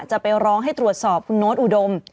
จะไปร้องให้ตรวจสอบคุณโน๊ตอุดม